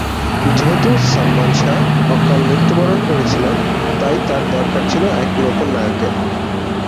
যেহেতু সালমান শাহ অকাল মৃত্যুবরণ করেছিলেন, তাই তার দরকার ছিল এক নতুন নায়কের।